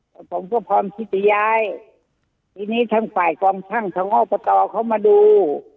ผมก็พร้อมพิจิยายที่นี้ทั้งฝ่ายกรท่างทั้งอบตเขามาดู